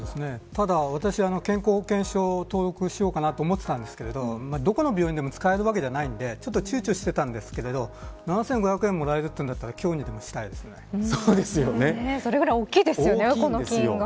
ただ、私は健康保険証登録しようかなと思っていたんですけどどこの病院でも使えるわけではないのでちゅうちょしていたんですけど７５００円もらえるというんだったらそれくらい大きいですよね